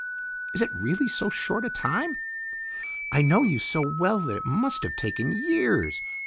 "Is it really so short a time? I know you so well that it must have taken years.